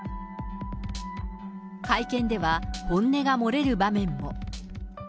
会見では、本音が漏れる場面も。